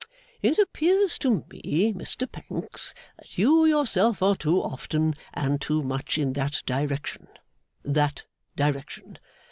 It appears to me, Mr Pancks, that you yourself are too often and too much in that direction, that direction.